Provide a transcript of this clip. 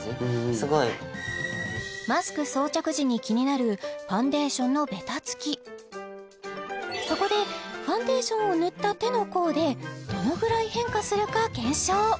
すごいマスク装着時に気になるそこでファンデーションを塗った手の甲でどのぐらい変化するか検証